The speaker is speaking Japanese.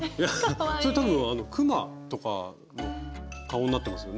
それ多分くまとかの顔になってますよね？